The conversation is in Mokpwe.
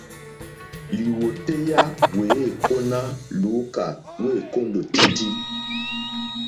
Lìwòtéyá wèêkóná lùúkà wêkóndòtítí.